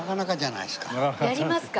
やりますか？